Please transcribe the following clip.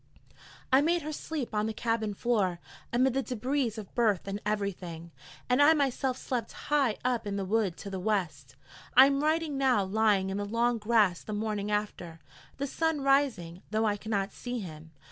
I made her sleep on the cabin floor amid the débris of berth and everything, and I myself slept high up in the wood to the west. I am writing now lying in the long grass the morning after, the sun rising, though I cannot see him.